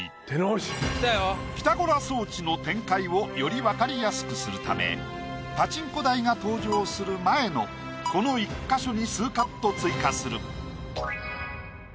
ピタゴラ装置の展開をより分かりやすくするためパチンコ台が登場する前のこの１か所に数カット追加する。